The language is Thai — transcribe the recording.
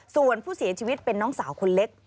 ส่วนผู้เสียชีวิตเป็นน้องสาวคนเล็ก